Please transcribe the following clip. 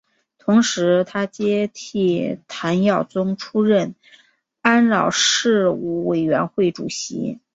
同时他接替谭耀宗出任安老事务委员会主席。